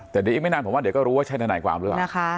แต่เดี๋ยวอีกไม่นานผมว่าเดี๋ยวก็รู้ว่าใช่ทนายความหรือเปล่านะคะ